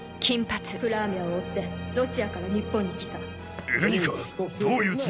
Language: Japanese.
プラーミャを追ってロシアから日本に来た。